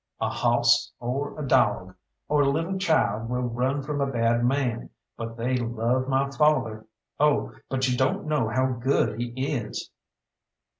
"A hawss or a dawg, or a lil' child will run from a bad man, but they love my father. Oh, but you don't know how good he is!"